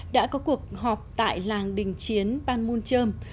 đã có cuộc họp tại làng đình chiến ban muncheom